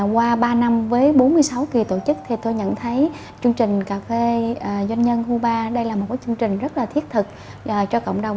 qua ba năm với bốn mươi sáu kỳ tổ chức tôi nhận thấy chương trình cà phê doanh nhân hubar là một chương trình rất thiết thực cho cộng đồng